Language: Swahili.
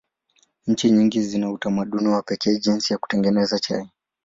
Nchi nyingi zina utamaduni wa pekee jinsi ya kutengeneza chai.